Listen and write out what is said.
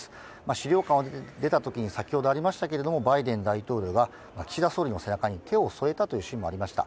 資料館を出た時に先ほどありましたけれどもバイデン大統領が岸田総理の背中に手を添えたシーンもありました。